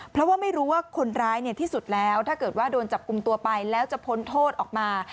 เพราะว่าไม่รู้ว่าคนร้ายที่สุดแล้วถ้าเกิดว่าโดนจับกลุ่มตัวไปแล้วจะพ้นโทษออกมา